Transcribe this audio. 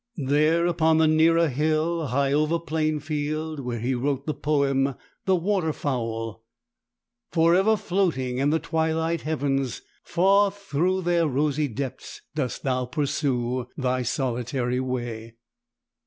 There, upon the nearer hill, high over Plainfield, where he wrote the poem the "Water fowl," forever floating in the twilight heavens "Far through their rosy depths dost thou pursue Thy solitary way."